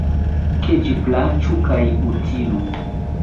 Ke ĝi plaĉu kaj utilu!